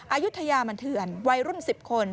อายุทยามันเถื่อนวัยรุ่น๑๐คน